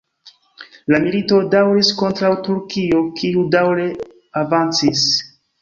La milito daŭris kontraŭ Turkio, kiu daŭre avancis.